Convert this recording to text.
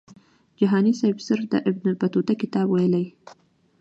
جهاني سیب صرف د ابن بطوطه کتاب ویلی.